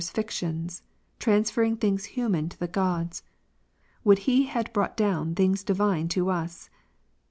15 Homer's fictions, transferring things human to the gods ; would he had brought down things divine to us